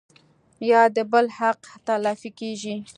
يا د بل حق تلفي کيږي